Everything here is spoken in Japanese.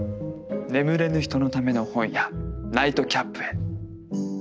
眠れぬ人のための本屋「ナイトキャップ」へ。